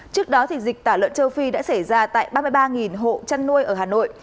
trước đó dịch tả lợn châu phi đã xảy ra tại ba mươi ba hộ chăn nuôi ở hà nội